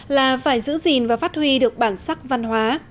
là phải giữ gìn và phát huy được bản sắc văn hóa